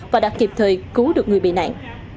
và đặt kịp thời cứu được người bị nạn